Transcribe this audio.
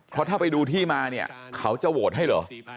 เพราะถ้าไปดูที่มาเนี่ยเขาจะโหวตให้เหรอ